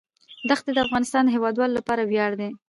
دښتې د افغانستان د هیوادوالو لپاره ویاړ دی.